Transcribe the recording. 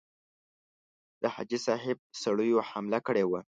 د حاجي صاحب سړیو حمله کړې وه.